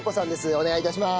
お願い致します。